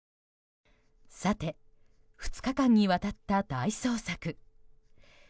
さて、２日間にわたった大捜索。